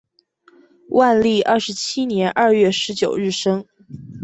万历二十七年二月十九日生。